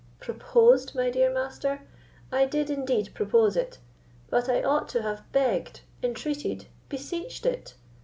"Proposed, my dear Master? I did indeed propose it; but I ought to have begged, entreated, beseeched it.